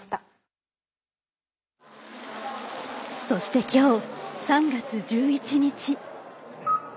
そしてきょう３月１１日。